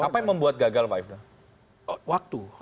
apa yang membuat gagal pak ibnul